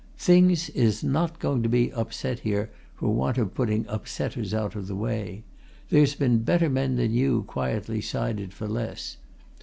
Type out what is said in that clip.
Things is not going to be upset here for want of putting upsetters out of the way; there's been better men than you quietly sided for less.